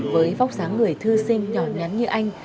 với vóc dáng người thư sinh nhỏ nhắn như anh